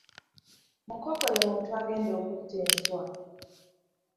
Mukoko ye muntu agenda okutta enswa.